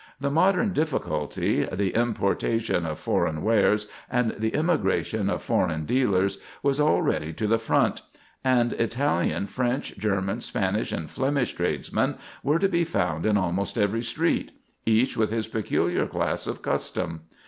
The modern difficulty—the importation of foreign wares, and the immigration of foreign dealers—was already to the front; and Italian, French, German, Spanish, and Flemish tradesmen were to be found in almost every street—each with his peculiar class of custom.